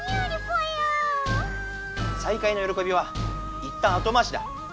再会のよろこびはいったん後回しだ。